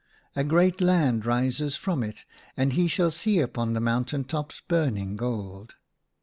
A great land rises from it, and he shall see upon the mountain tops burning gold."